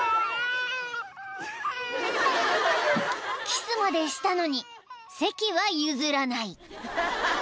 ［キスまでしたのに席は譲らない］